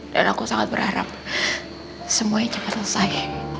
dan aku sangat berharap semuanya cepat selesai